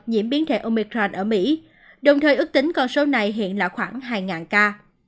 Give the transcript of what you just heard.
nhiễm biến thể omicrand ở mỹ đồng thời ước tính con số này hiện là khoảng hai ca